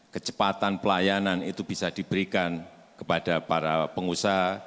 kecepatan pelayanan itu bisa diberikan kepada para pengusaha